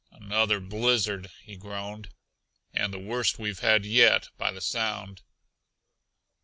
"Another blizzard!" he groaned, "and the worst we've had yet, by the sound."